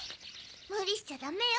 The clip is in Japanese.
むりしちゃダメよ